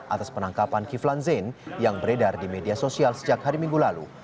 atas penangkapan kiflan zain yang beredar di media sosial sejak hari minggu lalu